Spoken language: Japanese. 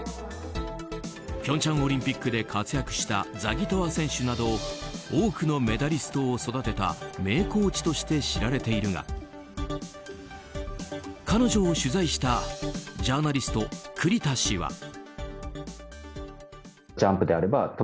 平昌オリンピックで活躍したザギトワ選手など多くのメダリストを育てた名コーチとして知られているが彼女を取材したジャーナリスト栗田氏は。